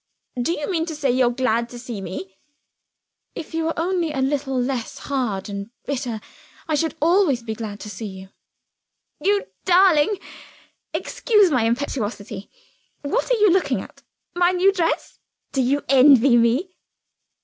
"Do you mean to say you're glad to see me?" "If you were only a little less hard and bitter, I should always be glad to see you." "You darling! (excuse my impetuosity). What are you looking at? My new dress? Do you envy me?"